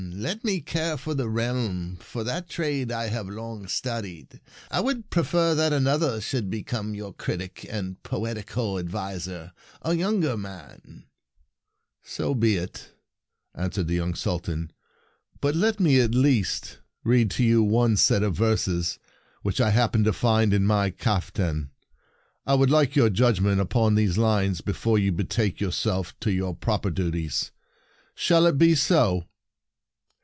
Let me care for the realm, for that trade I have long studied. I would prefer that another should become your Critic and Poetical Ad viser — a younger man." And Declined Verses 53 " So be it," answered the young Sultan ;" but let me at least read to you one set of verses which I happen to find in my caftan. I would like your judgment upon these lines be fore you betake yourself to your proper duties. Shall it be so?"